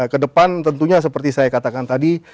kedepan tentunya seperti saya katakan tadi